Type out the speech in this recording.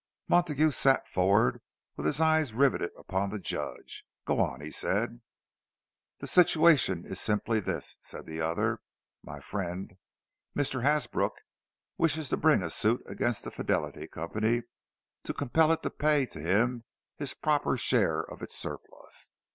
Montague sat forward, with his eyes riveted upon the Judge. "Go on," he said. "The situation is simply this," said the other. "My friend, Mr. Hasbrook, wishes to bring a suit against the Fidelity Company to compel it to pay to him his proper share of its surplus.